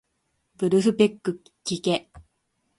ブルフペックきけ